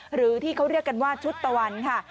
หรือที่เขาเรียกกันว่าชุดตะวันค่ะ